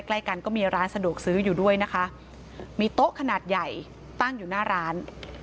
ใกล้กันก็มีร้านสะดวกซื้ออยู่ด้วยนะคะมีโต๊ะขนาดใหญ่ตั้งอยู่หน้าร้าน